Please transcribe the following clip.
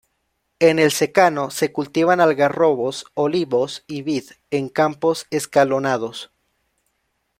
En el secano se cultivan algarrobos, olivos y vid, en campos escalonados.